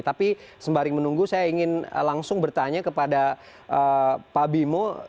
tapi sembari menunggu saya ingin langsung bertanya kepada pak bimo